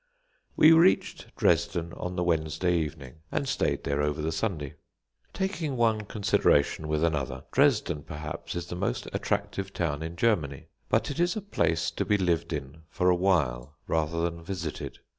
We reached Dresden on the Wednesday evening, and stayed there over the Sunday. Taking one consideration with another, Dresden, perhaps, is the most attractive town in Germany; but it is a place to be lived in for a while rather than visited.